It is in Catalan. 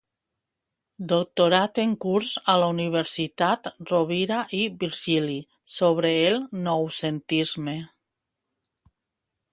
Doctorat en curs a la Universitat Rovira i Virgili, sobre el Noucentisme.